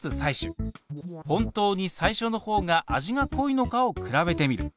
本当に最初のほうが味が濃いのかをくらべてみる。